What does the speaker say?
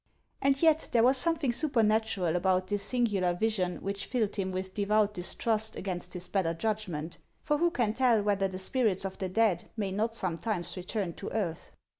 And yet there was something supernatural about this sin gular vision which filled him with devout distrust against his better judgment; for who can tell whether the spirits of the dead may not sometimes return to earth